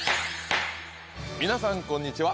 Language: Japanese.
皆さんこんにちは。